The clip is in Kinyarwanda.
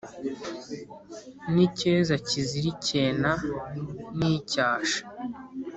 N’ icyeza kizira icyena n’icyasha